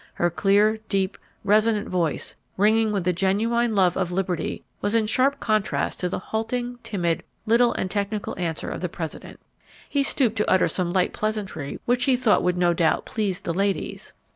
Her clear, deep, resonant voice, ringing with the genuine love of liberty, was in sharp contrast to the halting, timid, little and technical answer of the President. He stooped to utter some light pleasantry which he thought would no doubt please the "ladies."